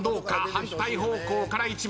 反対方向から１枚。